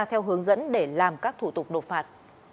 theo hướng dẫn để làm các thủ tục nộp phạt